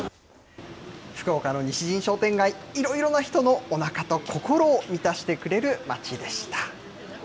福岡の西新商店街、いろいろな人のおなかと心を満たしてくれる街でした。